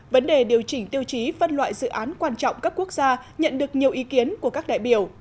vấn đề điều chỉnh tiêu chí phân loại dự án quan trọng cấp quốc gia nhận được nhiều ý kiến của các đại biểu